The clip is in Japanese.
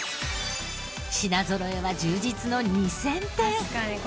品ぞろえは充実の２０００点！